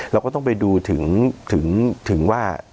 เราก็ต้องไปดูถึงว่า